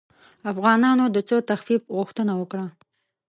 افغانانو د څه تخفیف غوښتنه وکړه.